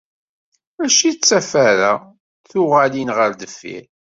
Mačči d afara, d tuɣalin ɣer deffir.